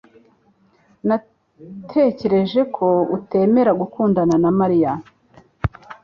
Natekereje ko utemera gukundana na Mariya.